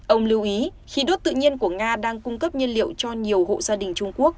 ông lưu ý khí đốt tự nhiên của nga đang cung cấp nhiên liệu cho nhiều hộ gia đình trung quốc